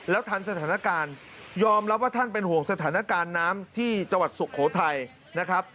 ทันสถานการณ์ยอมรับว่าท่านเป็นห่วงสถานการณ์น้ำที่จังหวัดสุโขทัยนะครับ